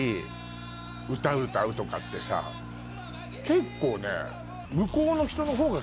結構ね。